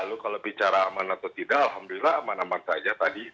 lalu kalau bicara aman atau tidak alhamdulillah aman aman saja tadi